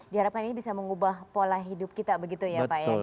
diharapkan ini bisa mengubah pola hidup kita begitu ya pak ya